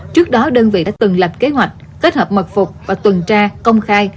trước đó đơn vị đã từng lập kế hoạch kết hợp mật phục và tuần tra công khai